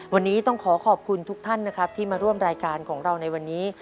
วันนี้ต้องขอขอบคุณทุกท่านนะครับที่มาร่วมรายการของเราในวันนี้